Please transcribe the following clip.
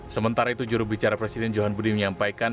sementara itu jurubicara presiden johan budi menyampaikan